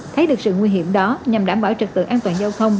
thấy được sự nguy hiểm đó nhằm đảm bảo trực tự an toàn giao thông